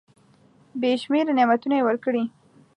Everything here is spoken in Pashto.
بي شمیره نعمتونه یې ورکړي .